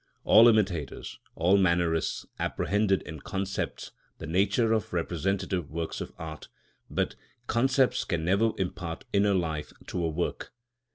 All imitators, all mannerists, apprehend in concepts the nature of representative works of art; but concepts can never impart inner life to a work.